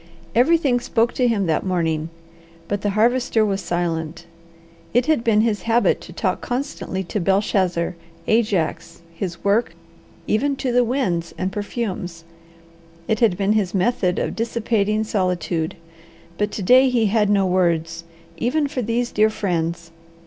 Everything spoke to him that morning, but the Harvester was silent. It had been his habit to talk constantly to Belshazzar, Ajax, his work, even the winds and perfumes; it had been his method of dissipating solitude, but to day he had no words, even for these dear friends.